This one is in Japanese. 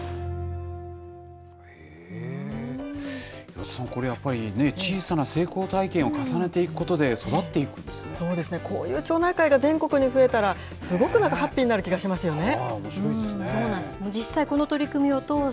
岩田さん、これやっぱり小さな成功体験を重ねていくことで、育っていくんでそうですね、こういう町内会が全国に増えたら、すごくなんか、ハッピーになる気がしますよね。